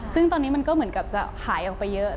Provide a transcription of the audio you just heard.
ซึ่งตอนนี้มันก็เหมือนกับจะหายออกไปเยอะ